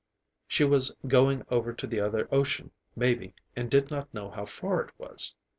She was going over to the other ocean, maybe, and did not know how far it was.